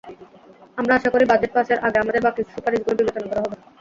আমরা আশা করি, বাজেট পাসের আগে আমাদের বাকি সুপারিশগুলো বিবেচনা করা হবে।